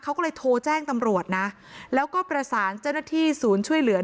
เขาก็เลยโทรแจ้งตำรวจนะแล้วก็ประสานเจ้าหน้าที่ศูนย์ช่วยเหลือ